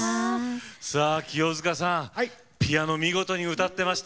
清塚さん、ピアノ見事に歌っていました。